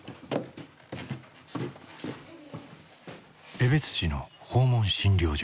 江別市の訪問診療所。